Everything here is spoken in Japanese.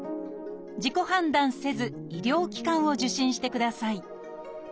自己判断せず医療機関を受診してください